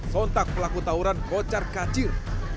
sontak pelaku tawuran kocar kacir